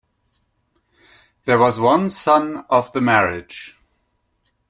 There was one son of the marriage.